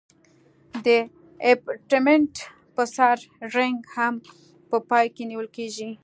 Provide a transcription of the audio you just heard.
د ابټمنټ په سر رینګ هم په پام کې نیول کیږي